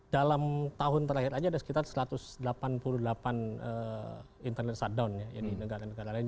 dalam tahun terakhir aja ada sekitar satu ratus delapan puluh delapan internet shutdown ya di negara negara lain